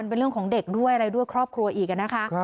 เป็นเรื่องของเด็กด้วยอะไรด้วยครอบครัวอีกนะคะ